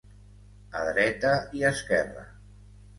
A dreta i esquerra.